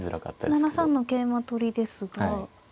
７三の桂馬取りですが。